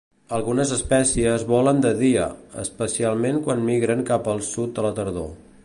Algunes espècies volen de dia, especialment quan migren cap al sud a la tardor.